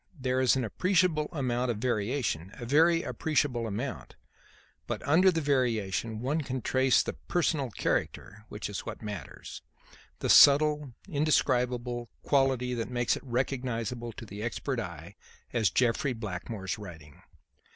There is an appreciable amount of variation; a very appreciable amount. But under the variation one can trace the personal character (which is what matters); the subtle, indescribable quality that makes it recognizable to the expert eye as Jeffrey Blackmore's writing.